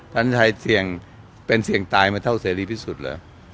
ท่านชัยเสี่ยงเป็นเสี่ยงตายมาเท่าเสรีพิสุทธิ์เหรอ